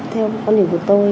theo quan điểm của tôi